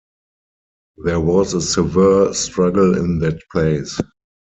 There was a severe struggle in that place.